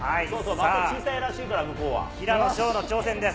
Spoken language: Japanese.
的小さいらしいから、向こう平野紫燿の挑戦です。